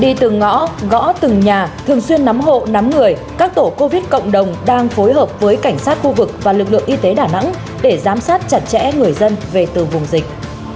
đi từng ngõ gõ từng nhà thường xuyên nắm hộ nắm người các tổ covid cộng đồng đang phối hợp với cảnh sát khu vực và lực lượng y tế đà nẵng để giám sát chặt chẽ người dân về từ vùng dịch